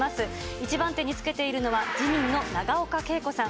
１番手につけているのは、自民の永岡桂子さん。